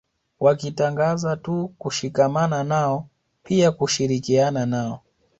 Wakitangaza tu kushikamana nao pia kushirikiana nao